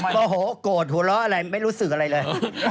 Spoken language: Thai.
โมโหโกรธหัวเราะอะไรไม่รู้สึกอะไรเลย